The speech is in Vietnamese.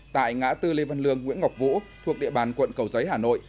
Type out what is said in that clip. tại ngã tư lê văn lương nguyễn ngọc vũ thuộc địa bàn quận cầu giấy hà nội